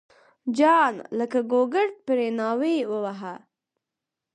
جان لکه ګوګرد پرې ناوی وواهه.